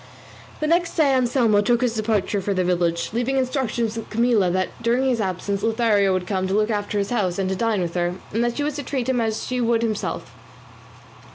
The next day Anselmo took his departure for the village, leaving instructions with Camilla that during his absence Lothario would come to look after his house and to dine with her, and that she was to treat him as she would himself.